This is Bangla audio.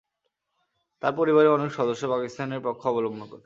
তার পরিবারের অনেক সদস্য পাকিস্তানের পক্ষ অবলম্বন করে।